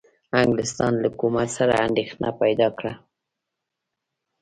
انګلستان له حکومت سره اندېښنه پیدا کړه.